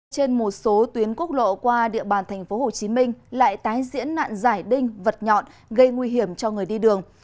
trên một số tuyến quốc lộ qua địa bàn tp hcm lại tái diễn nạn giải đinh vật nhọn gây nguy hiểm cho người đi đường